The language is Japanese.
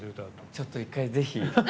ちょっと、一回ぜひ。